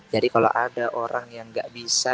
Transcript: jadi kalau ada orang yang gak bisa